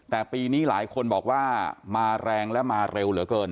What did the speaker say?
แต่ปีนี้หลายคนบอกว่ามาแรงและมาเร็วเหลือเกิน